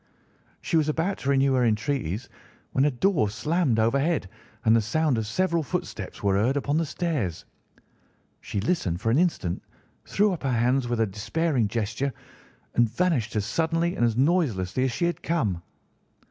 She was about to renew her entreaties when a door slammed overhead, and the sound of several footsteps was heard upon the stairs. She listened for an instant, threw up her hands with a despairing gesture, and vanished as suddenly and as noiselessly as she had come.